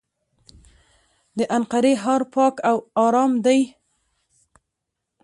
د انقرې ښار پاک او ارام دی.